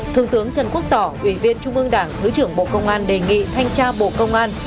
thương tướng trần quốc tỏ ủy viên trung ương đảng thứ trưởng bộ công an đề nghị thanh tra bộ công an